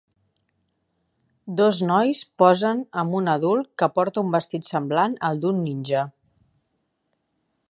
Dos nois posen amb un adult que porta un vestit semblant al d'un ninja.